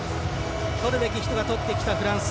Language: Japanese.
取るべき人が取ってきたフランス。